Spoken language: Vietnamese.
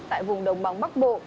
tại vùng đồng bằng bắc bộ